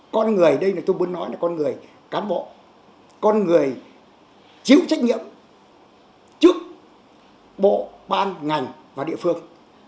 con người đây là tôi muốn nói là con người cán bộ con người chịu trách nhiệm trước bộ ban ngành và địa phương